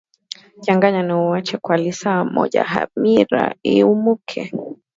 changanya na uache kwa lisaa limoja hamira iumuke